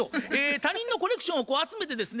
他人のコレクションを集めてですね